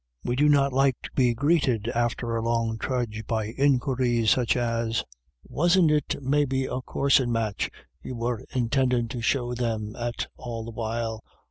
We do not like to be greeted after a long trudge by inquiries such as :" Wasn't it maybe a coorsin' match you were intin dhV to show them at all the while